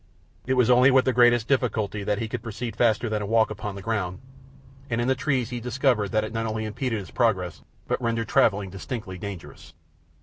It was only with the greatest difficulty that he could proceed faster than a walk upon the ground, and in the trees he discovered that it not only impeded his progress, but rendered travelling distinctly dangerous.